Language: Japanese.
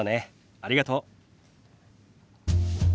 ありがとう。